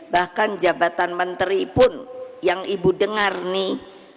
bahkan jabatan menteri pun yang ibu dengar nih